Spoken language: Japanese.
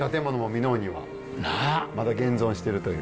まだ現存してるという。